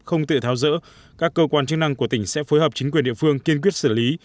không tự tháo rỡ các cơ quan chức năng của tỉnh sẽ phối hợp chính quyền địa phương kiên quyết xử lý